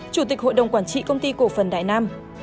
chủ tịch hội đồng quản trị công ty cổ phần đại nam